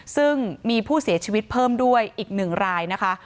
ซึ่งมีผู้เสียชีวิตเพิ่มด้วยอีก๑รายนะคะ